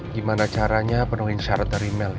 gimana caranya penuhi syarat dari mel ya